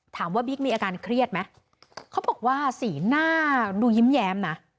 บิ๊กมีอาการเครียดไหมเขาบอกว่าสีหน้าดูยิ้มแย้มนะ